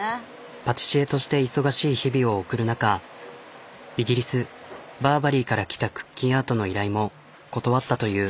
パティシエとして忙しい日々を送る中イギリスバーバリーから来たクッキアートの依頼も断ったという。